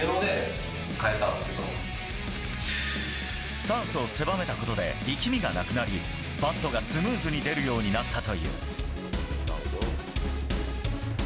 スタンスを狭めたことで力みがなくなりバットがスムーズに出るようになったという。